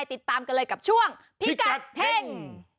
ติดตามกันเลยกับช่วงพิกัดเฮ่ง